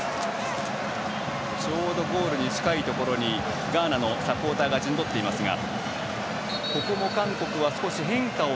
ちょうどゴールに近いところにガーナのサポーターが陣取っていますが。